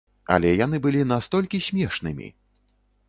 Але яны былі настолькі смешнымі!